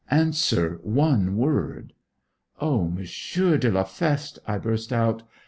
Answer one word!' 'O, M. de la Feste!' I burst out.